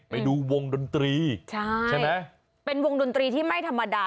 ไปดูวงดนตรีใช่ไหมเป็นวงดนตรีที่ไม่ธรรมดา